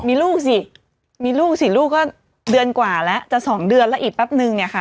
มีลูกสิมีลูกสิลูกก็เดือนกว่าแล้วจะสองเดือนแล้วอีกแป๊บนึงเนี่ยค่ะ